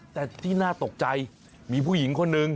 แต่ที่น่าตกใจมีผู้หญิงคนหนึ่ง